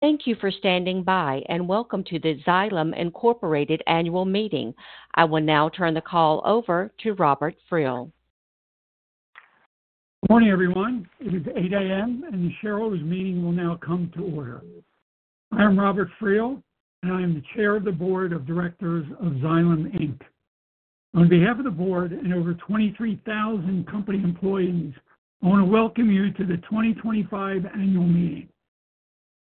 Thank you for standing by, and welcome to the Xylem annual meeting. I will now turn the call over to Robert Friel. Good morning, everyone. It is 8:00 A.M., and the shareholders' meeting will now come to order. I am Robert Friel, and I am the Chair of the Board of Directors of Xylem Inc. On behalf of the board and over 23,000 company employees, I want to welcome you to the 2025 annual meeting.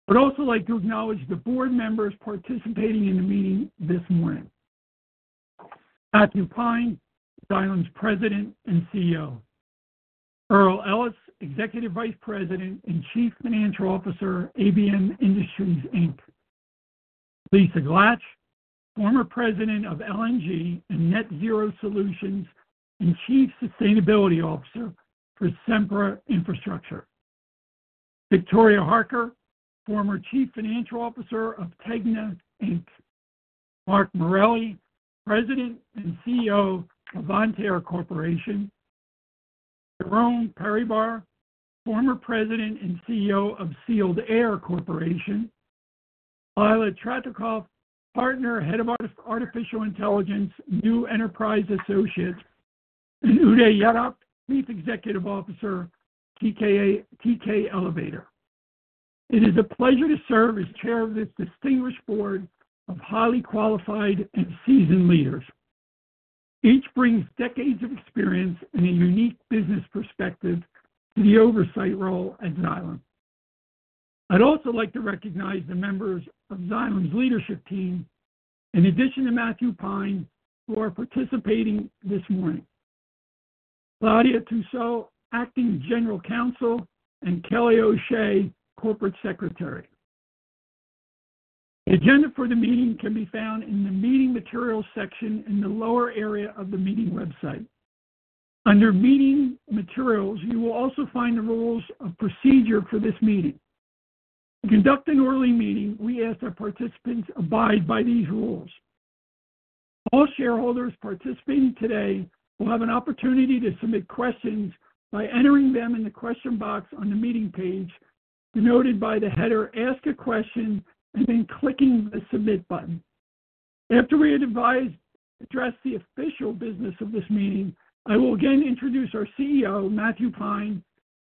I would also like to acknowledge the board members participating in the meeting this morning: Matthew Pine, Xylem's President and CEO; Earl Ellis, Executive Vice President and Chief Financial Officer of ABM Industries Inc; Lisa Glatch, former President of L&G and Net Zero Solutions, and Chief Sustainability Officer for Sempra Infrastructure; Victoria Harker, former Chief Financial Officer of Tegna Inc; Mark Morelli, President and CEO of Avant Air Corporation; Jerome Peribere, former President and CEO of Sealed Air Corporation; Lila Tretikov, Partner, Head of Artificial Intelligence, New Enterprise Associates; and Uday Yadav, Chief Executive Officer of TK Elevator. It is a pleasure to serve as Chair of this distinguished board of highly qualified and seasoned leaders. Each brings decades of experience and a unique business perspective to the oversight role at Xylem. I'd also like to recognize the members of Xylem's leadership team, in addition to Matthew Pine, who are participating this morning: Claudia Toussaint, Acting General Counsel, and Kelly O'Shea, Corporate Secretary. The agenda for the meeting can be found in the meeting materials section in the lower area of the meeting website. Under meeting materials, you will also find the rules of procedure for this meeting. To conduct an orderly meeting, we ask that participants abide by these rules. All shareholders participating today will have an opportunity to submit questions by entering them in the question box on the meeting page denoted by the header "Ask a Question," and then clicking the submit button. After we address the official business of this meeting, I will again introduce our CEO, Matthew Pine,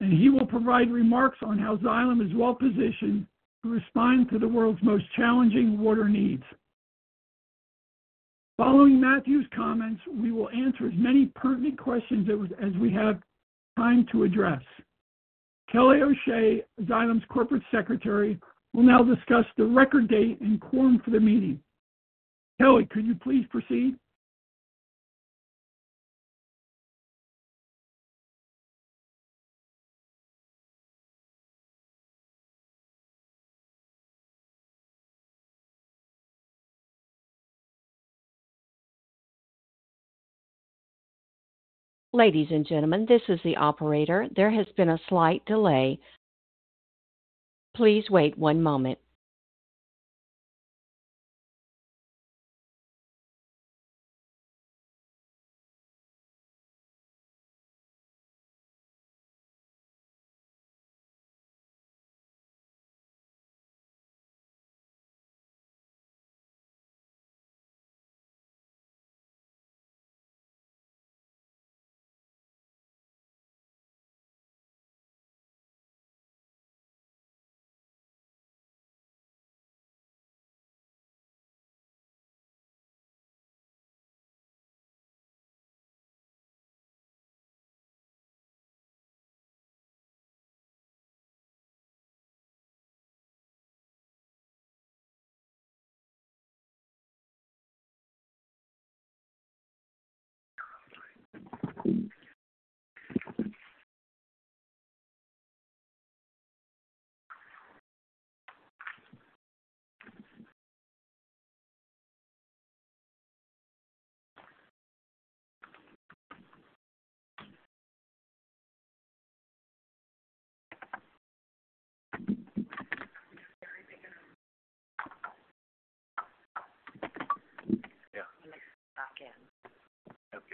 and he will provide remarks on how Xylem is well-positioned to respond to the world's most challenging water needs. Following Matthew's comments, we will answer as many pertinent questions as we have time to address. Kelly O'Shea, Xylem's Corporate Secretary, will now discuss the record date and quorum for the meeting. Kelly, could you please proceed? Ladies and gentlemen, this is the operator. There has been a slight delay. Please wait one moment.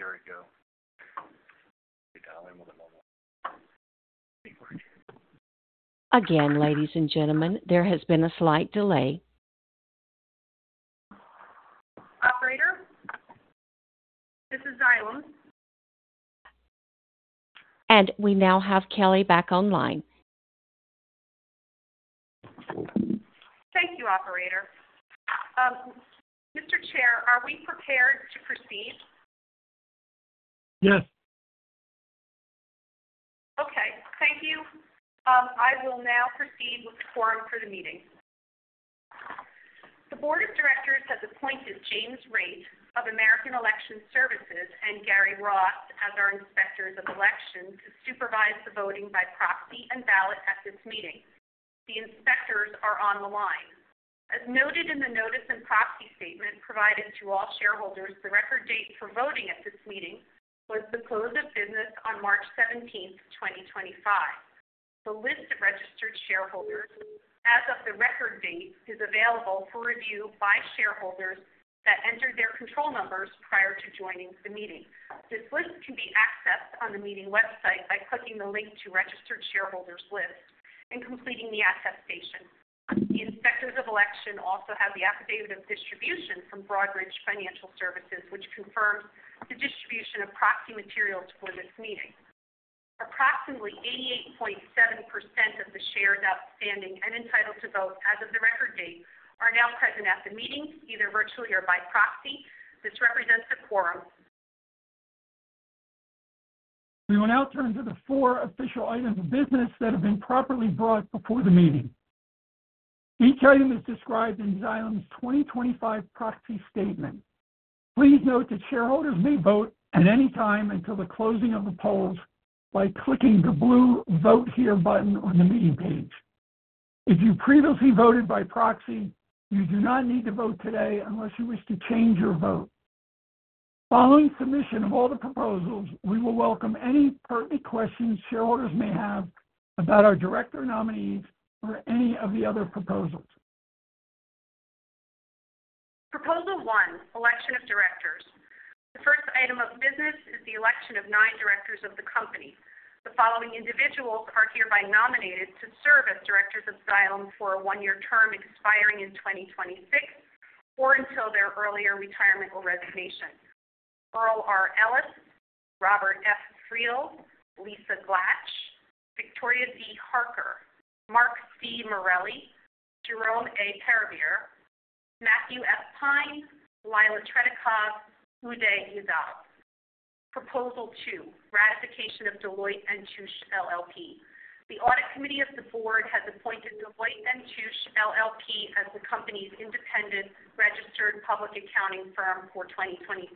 Yeah. I like to step back in. Okay, here we go. Okay, dial in with a moment. Again, ladies and gentlemen, there has been a slight delay. Operator? This is Xylem. We now have Kelly back online. Thank you, operator. Mr. Chair, are we prepared to proceed? Yes. Okay. Thank you. I will now proceed with the quorum for the meeting. The Board of Directors has appointed James Raitt of American Election Services and Gary Ross as our inspectors of election to supervise the voting by proxy and ballot at this meeting. The inspectors are on the line. As noted in the notice and proxy statement provided to all shareholders, the record date for voting at this meeting was the close of business on March 17, 2025. The list of registered shareholders as of the record date is available for review by shareholders that entered their control numbers prior to joining the meeting. This list can be accessed on the meeting website by clicking the link to registered shareholders list and completing the attestation. The inspectors of election also have the affidavit of distribution from Broadridge Financial Services, which confirms the distribution of proxy materials for this meeting. Approximately 88.7% of the shares outstanding and entitled to vote as of the record date are now present at the meeting, either virtually or by proxy. This represents the quorum. We will now turn to the four official items of business that have been properly brought before the meeting. Each item is described in Xylem's 2025 proxy statement. Please note that shareholders may vote at any time until the closing of the polls by clicking the blue "Vote Here" button on the meeting page. If you previously voted by proxy, you do not need to vote today unless you wish to change your vote. Following submission of all the proposals, we will welcome any pertinent questions shareholders may have about our director nominees or any of the other proposals. Proposal 1, election of directors. The first item of business is the election of nine directors of the company. The following individuals are hereby nominated to serve as directors of Xylem for a one-year term expiring in 2026 or until their earlier retirement or resignation: Earl R. Ellis, Robert F. Friel, Lisa Glatch, Victoria D. Harker, Mark C. Morelli, Jerome A. Peribere, Matthew F. Pine, Lila Tretikov, Uday Yadav. Proposal 2, ratification of Deloitte & Touche, LLP. The Audit Committee of the board has appointed Deloitte & Touche, LLP as the company's independent registered public accounting firm for 2025.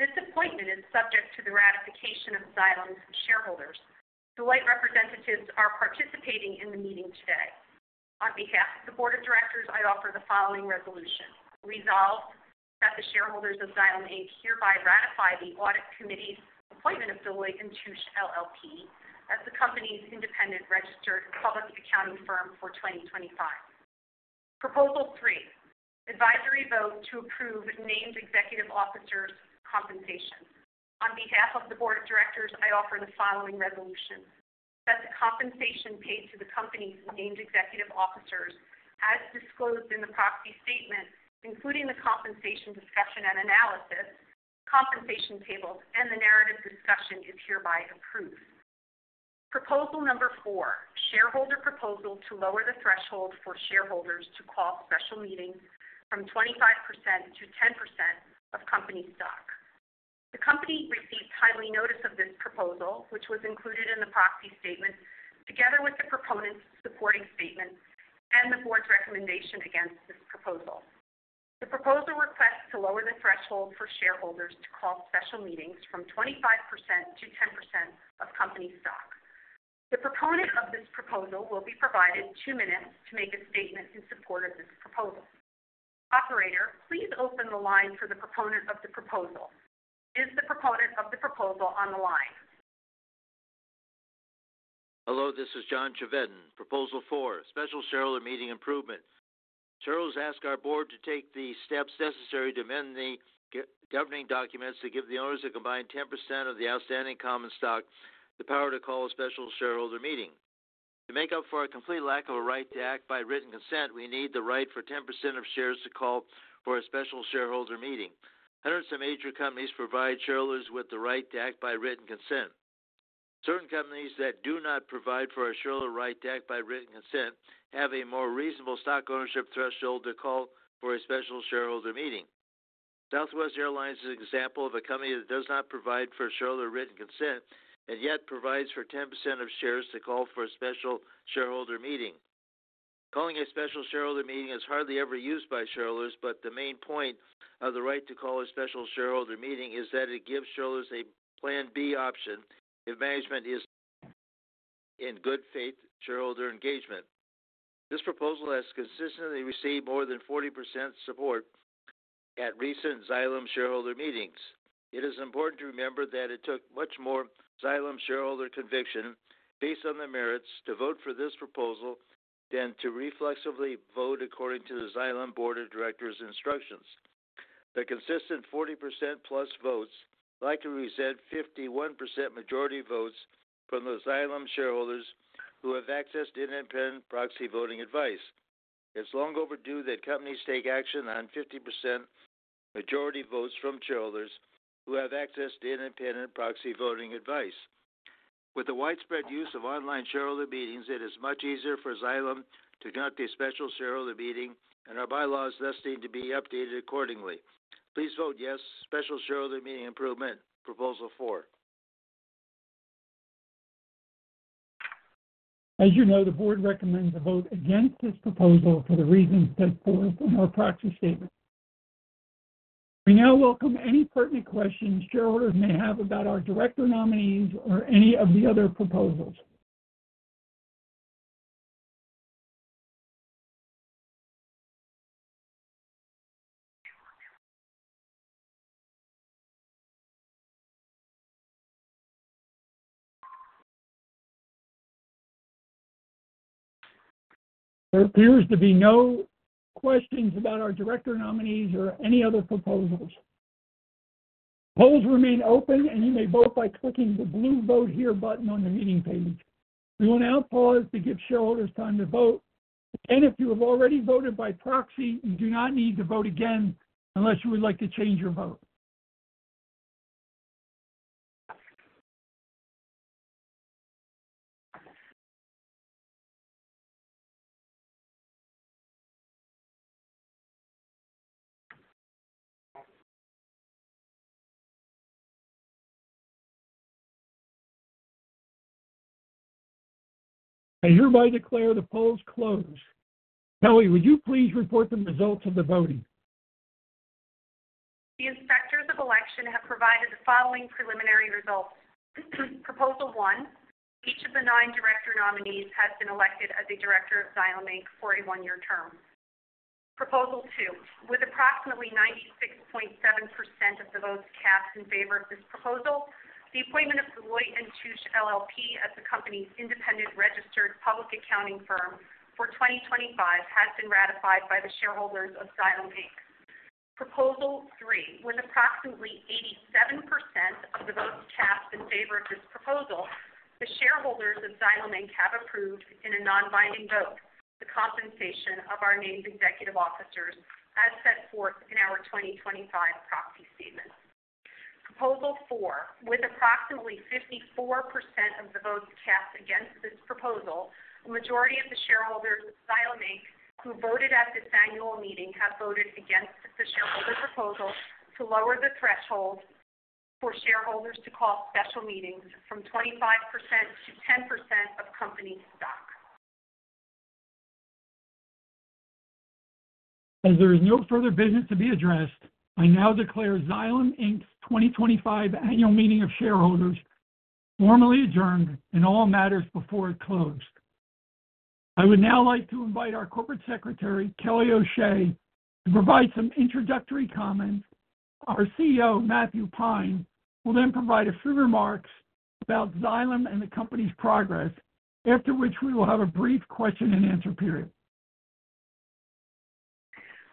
This appointment is subject to the ratification of Xylem's shareholders. Deloitte representatives are participating in the meeting today. On behalf of the Board of Directors, I offer the following resolution: Resolve that the shareholders of Xylem Inc. hereby ratify the Audit Committee's appointment of Deloitte & Touche, LLP as the company's independent registered public accounting firm for 2025. Proposal 3, advisory vote to approve named executive officers' compensation. On behalf of the Board of Directors, I offer the following resolution: That the compensation paid to the company's named executive officers, as disclosed in the proxy statement, including the compensation discussion and analysis, compensation tables, and the narrative discussion, is hereby approved. Proposal number 4, shareholder proposal to lower the threshold for shareholders to call special meetings from 25% to 10% of company stock. The company received timely notice of this proposal, which was included in the proxy statement together with the proponent's supporting statement and the board's recommendation against this proposal. The proposal requests to lower the threshold for shareholders to call special meetings from 25% to 10% of company stock. The proponent of this proposal will be provided two minutes to make a statement in support of this proposal. Operator, please open the line for the proponent of the proposal. Is the proponent of the proposal on the line? Hello, this is John Triveden. Proposal 4, special shareholder meeting improvement. Shareholders ask our board to take the steps necessary to amend the governing documents to give the owners a combined 10% of the outstanding common stock the power to call a special shareholder meeting. To make up for a complete lack of a right to act by written consent, we need the right for 10% of shares to call for a special shareholder meeting. Hundreds of major companies provide shareholders with the right to act by written consent. Certain companies that do not provide for a shareholder right to act by written consent have a more reasonable stock ownership threshold to call for a special shareholder meeting. Southwest Airlines is an example of a company that does not provide for a shareholder written consent and yet provides for 10% of shares to call for a special shareholder meeting. Calling a special shareholder meeting is hardly ever used by shareholders, but the main point of the right to call a special shareholder meeting is that it gives shareholders a plan B option if management is in good faith shareholder engagement. This proposal has consistently received more than 40% support at recent Xylem shareholder meetings. It is important to remember that it took much more Xylem shareholder conviction, based on their merits, to vote for this proposal than to reflexively vote according to the Xylem Board of Directors' instructions. The consistent 40% plus votes likely represent 51% majority votes from those Xylem shareholders who have access to independent proxy voting advice. It's long overdue that companies take action on 50% majority votes from shareholders who have access to independent proxy voting advice. With the widespread use of online shareholder meetings, it is much easier for Xylem to conduct a special shareholder meeting, and our bylaws thus need to be updated accordingly. Please vote yes to special shareholder meeting improvement, proposal 4. As you know, the board recommends a vote against this proposal for the reasons set forth in our proxy statement. We now welcome any pertinent questions shareholders may have about our director nominees or any of the other proposals. There appears to be no questions about our director nominees or any other proposals. Polls remain open, and you may vote by clicking the blue "Vote Here" button on the meeting page. We will now pause to give shareholders time to vote. Again, if you have already voted by proxy, you do not need to vote again unless you would like to change your vote. I hereby declare the polls closed. Kelly, would you please report the results of the voting? The inspectors of election have provided the following preliminary results. Proposal 1, each of the nine director nominees has been elected as a director of Xylem for a one-year term. Proposal 2, with approximately 96.7% of the votes cast in favor of this proposal, the appointment of Deloitte & Touche, LLP as the company's independent registered public accounting firm for 2025 has been ratified by the shareholders of Xylem Inc. Proposal 3, with approximately 87% of the votes cast in favor of this proposal, the shareholders of Xylem Inc have approved, in a non-binding vote, the compensation of our named executive officers as set forth in our 2025 proxy statement. Proposal 4, with approximately 54% of the votes cast against this proposal, a majority of the shareholders of Xylem Inc who voted at this annual meeting have voted against the shareholder proposal to lower the threshold for shareholders to call special meetings from 25% to 10% of company stock. As there is no further business to be addressed, I now declare Xylem's 2025 annual meeting of shareholders formally adjourned and all matters before it closed. I would now like to invite our Corporate Secretary, Kelly O'Shea, to provide some introductory comments. Our CEO, Matthew Pine, will then provide a few remarks about Xylem and the company's progress, after which we will have a brief question-and-answer period.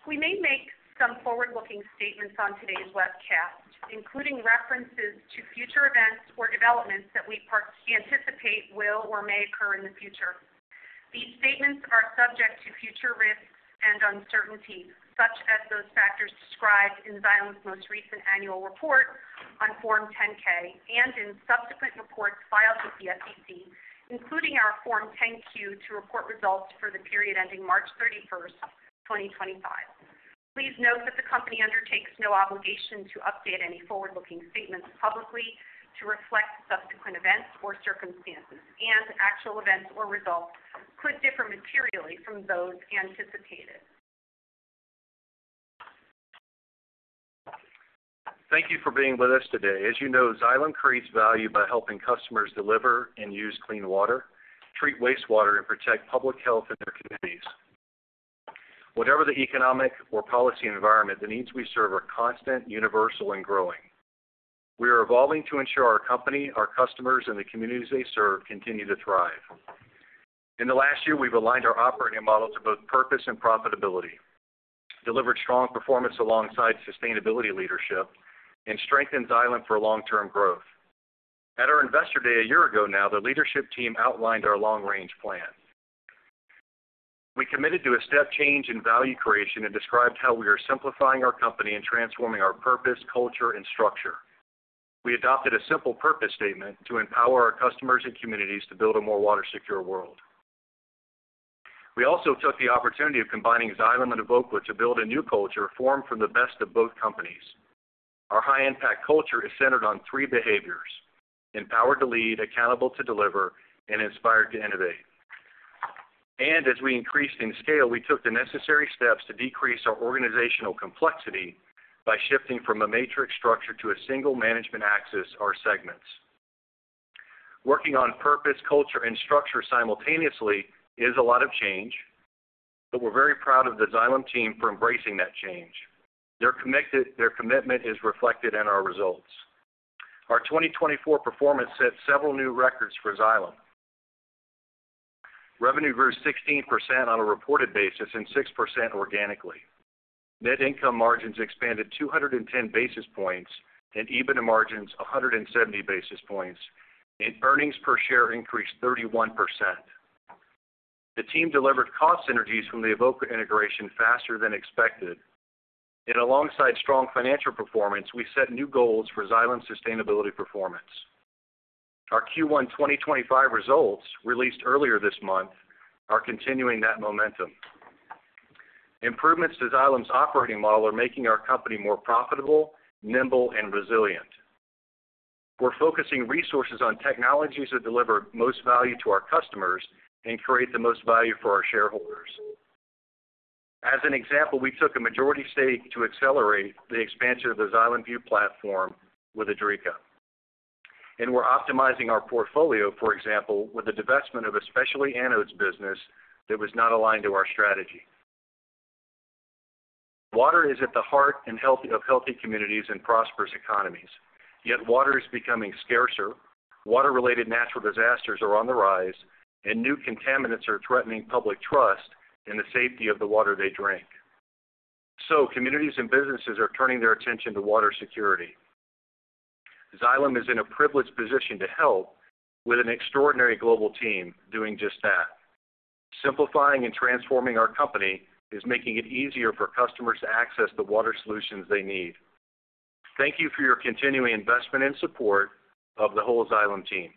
We may make some forward-looking statements on today's webcast, including references to future events or developments that we anticipate will or may occur in the future. These statements are subject to future risks and uncertainties, such as those factors described in Xylem's most recent annual report on Form 10-K and in subsequent reports filed with the SEC, including our Form 10-Q to report results for the period ending March 31st, 2025. Please note that the company undertakes no obligation to update any forward-looking statements publicly to reflect subsequent events or circumstances, and actual events or results could differ materially from those anticipated. Thank you for being with us today. As you know, Xylem creates value by helping customers deliver and use clean water, treat wastewater, and protect public health in their communities. Whatever the economic or policy environment, the needs we serve are constant, universal, and growing. We are evolving to ensure our company, our customers, and the communities they serve continue to thrive. In the last year, we've aligned our operating model to both purpose and profitability, delivered strong performance alongside sustainability leadership, and strengthened Xylem for long-term growth. At our investor day a year ago now, the leadership team outlined our long-range plan. We committed to a step change in value creation and described how we are simplifying our company and transforming our purpose, culture, and structure. We adopted a simple purpose statement to empower our customers and communities to build a more water-secure world. We also took the opportunity of combining Xylem and Evoqua to build a new culture formed from the best of both companies. Our high-impact culture is centered on three behaviors: empowered to lead, accountable to deliver, and inspired to innovate. As we increased in scale, we took the necessary steps to decrease our organizational complexity by shifting from a matrix structure to a single management axis or segments. Working on purpose, culture, and structure simultaneously is a lot of change, but we're very proud of the Xylem team for embracing that change. Their commitment is reflected in our results. Our 2024 performance set several new records for Xylem: revenue grew 16% on a reported basis and 6% organically. Net income margins expanded 210 basis points, and EBITDA margins 170 basis points, and earnings per share increased 31%. The team delivered cost synergies from the Evoqua integration faster than expected, and alongside strong financial performance, we set new goals for Xylem's sustainability performance. Our Q1 2025 results, released earlier this month, are continuing that momentum. Improvements to Xylem's operating model are making our company more profitable, nimble, and resilient. We're focusing resources on technologies that deliver most value to our customers and create the most value for our shareholders. As an example, we took a majority stake to accelerate the expansion of the Xylem View platform with Adreça, and we're optimizing our portfolio, for example, with the divestment of a specialty anodes business that was not aligned to our strategy. Water is at the heart of healthy communities and prosperous economies, yet water is becoming scarcer, water-related natural disasters are on the rise, and new contaminants are threatening public trust and the safety of the water they drink. Communities and businesses are turning their attention to water security. Xylem is in a privileged position to help with an extraordinary global team doing just that. Simplifying and transforming our company is making it easier for customers to access the water solutions they need. Thank you for your continuing investment and support of the whole Xylem team.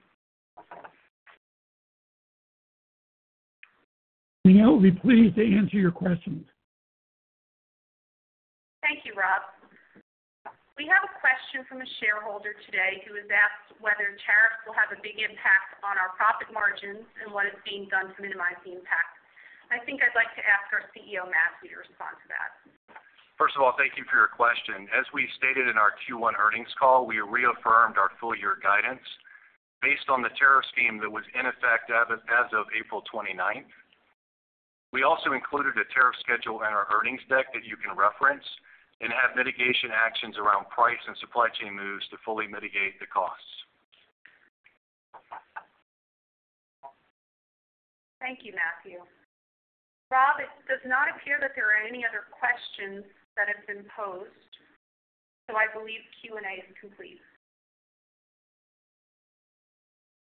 We now will be pleased to answer your questions. Thank you, Rob. We have a question from a shareholder today who has asked whether tariffs will have a big impact on our profit margins and what is being done to minimize the impact. I think I'd like to ask our CEO, Matthew, to respond to that. First of all, thank you for your question. As we stated in our Q1 earnings call, we reaffirmed our full-year guidance based on the tariff scheme that was in effect as of April 29. We also included a tariff schedule in our earnings deck that you can reference and have mitigation actions around price and supply chain moves to fully mitigate the costs. Thank you, Matthew. Rob, it does not appear that there are any other questions that have been posed, so I believe Q&A is complete.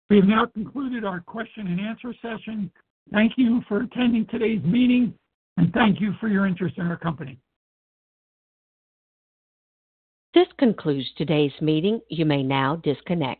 We have now concluded our question-and-answer session. Thank you for attending today's meeting, and thank you for your interest in our company. This concludes today's meeting. You may now disconnect.